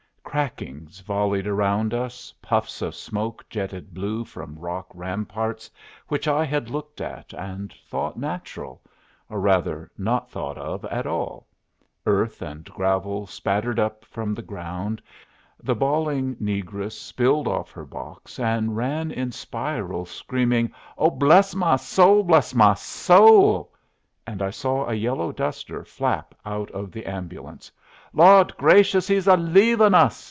Crackings volleyed around us, puffs of smoke jetted blue from rock ramparts which I had looked at and thought natural or, rather, not thought of at all earth and gravel spattered up from the ground, the bawling negress spilled off her box and ran in spirals, screaming, "Oh, bless my soul, bless my soul!" and I saw a yellow duster flap out of the ambulance. "Lawd grashus, he's a leavin' us!"